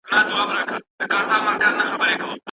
مطالعه کولای سي چي د انسان ذهن روښانه کړي.